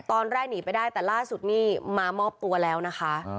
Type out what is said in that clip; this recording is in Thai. แต่ล่าสุดนี้มามอบตัวแล้วนะคะ